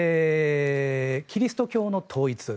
キリスト教の統一